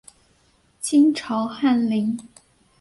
清朝翰林。